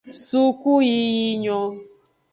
Sukuyiyi nyon.